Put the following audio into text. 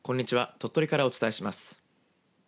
鳥取からお伝えします。